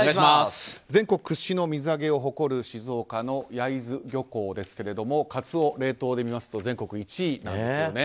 全国屈指の水揚げを誇る静岡の焼津漁港ですがカツオ、冷凍で見ますと全国１位なんですよね。